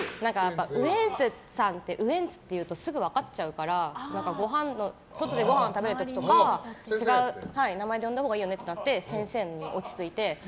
ウエンツって言うとすぐ分かっちゃうから外でごはん食べるときとか違う名前で呼んだほうがいいよねってなって先生に落ち着いて。